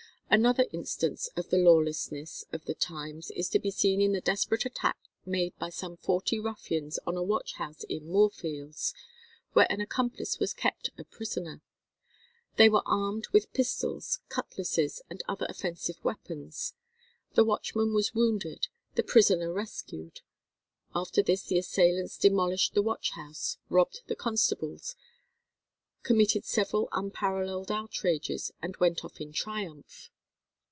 Another instance of the lawlessness of the times is to be seen in the desperate attack made by some forty ruffians on a watch house in Moorfields, where an accomplice was kept a prisoner. They were armed with pistols, cutlasses, and other offensive weapons. The watchman was wounded, the prisoner rescued. After this the assailants demolished the watch house, robbed the constables, "committed several unparalleled outrages, and went off in triumph."